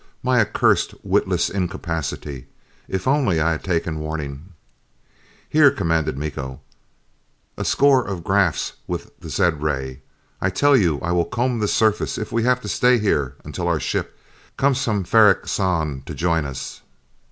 My accursed, witless incapacity! If only I had taken warning! "Here," commanded Miko. "A score of 'graphs with the zed ray. I tell you I will comb this surface if we have to stay here until our ship comes from Ferrok Shahn to join us!"